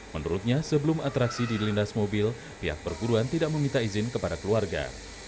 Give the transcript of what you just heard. menurutnya sebelum atraksi dilindas mobil pihak perguruan tidak meminta izin kepada keluarga